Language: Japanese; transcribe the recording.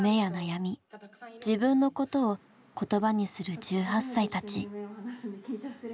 「自分のこと」を言葉にする１８歳たち。